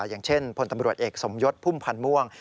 อย่างเช่นพลตำรวจเอกสมยศพุ่มพันธ์ม่วง